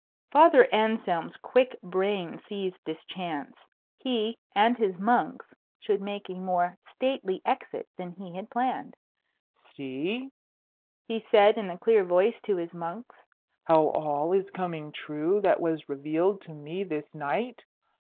Father Anselm's quick brain seized this chance. He and his monks should make a more stately exit than he had planned. "See," he said in a clear voice to his monks, "how all is coming true that was revealed to me this night!